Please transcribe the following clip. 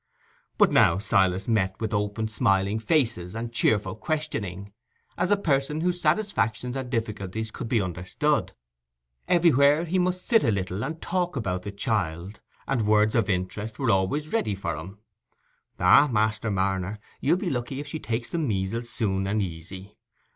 But now Silas met with open smiling faces and cheerful questioning, as a person whose satisfactions and difficulties could be understood. Everywhere he must sit a little and talk about the child, and words of interest were always ready for him: "Ah, Master Marner, you'll be lucky if she takes the measles soon and easy!"